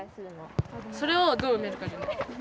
それをどう埋めるかじゃない？